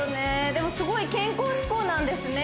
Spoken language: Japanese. でもすごい健康志向なんですね